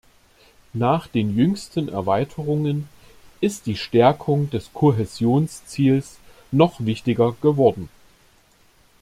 Nach den jüngsten Erweiterungen ist die Stärkung des Kohäsionsziels noch wichtiger geworden.